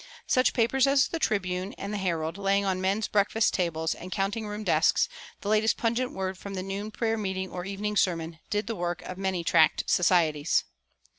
Such papers as the "Tribune" and the "Herald," laying on men's breakfast tables and counting room desks the latest pungent word from the noon prayer meeting or the evening sermon, did the work of many tract societies.